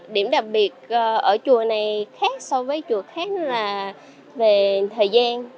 điểm đặc biệt ở chùa này khác so với chùa khác là về thời gian